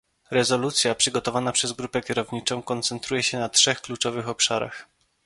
Rezolucja przygotowana przez grupę kierowniczą koncentruje się na trzech kluczowych obszarach